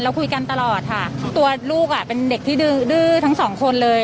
คุยกันตลอดค่ะตัวลูกอ่ะเป็นเด็กที่ดื้อดื้อทั้งสองคนเลย